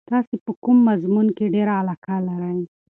تاسې په کوم مضمون کې ډېره علاقه لرئ؟